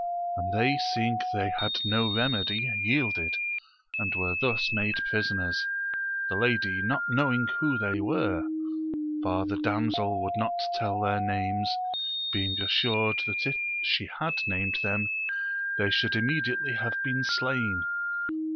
And they seeing they had no remedy yielded, and were thus made prisoners ; the lady not knowing who they were, for the damsel would not tell their names, being assured that if she had named them they should immediately have been Blain, Mii.